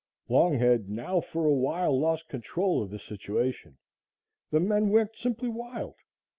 "] Longhead now, for a while, lost control of the situation. The men went simply wild.